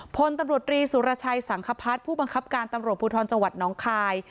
พลตำรวจรีสุรชัยสังคพัฒน์ผู้บังคับการตำรวจภูทรจังหวัดน้องคาย